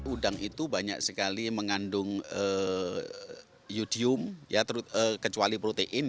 udang itu banyak sekali mengandung yudium kecuali protein